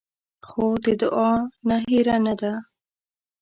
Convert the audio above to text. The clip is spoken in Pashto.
خور د دعا نه هېره نه ده.